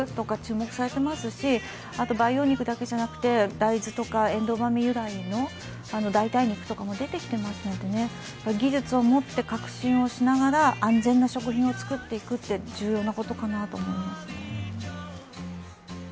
培養肉だけでなくて大豆とかえんどう豆由来の代替肉とかも出てきていますので、技術をもって革新をしながら安全な食品を作っていくって重要なことだと思いますね。